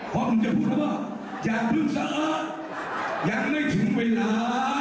พ่อบึงจะพูดว่าอยากไม่ถึงเวลา